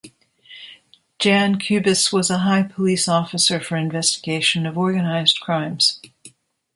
Jan Kubice was a high police officer for investigation of organized crimes.